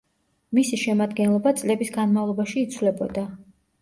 მისი შემადგენლობა წლების განმავლობაში იცვლებოდა.